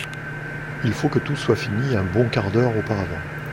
Il faut que tout soit fini un bon quart d'heure auparavant.